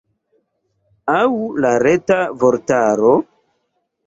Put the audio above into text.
Aŭ la Reta Vortaro?